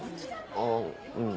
あぁうん。